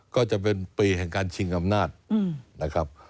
ก็จะเป็นปีแห่งการชิงอำนาจนะครับ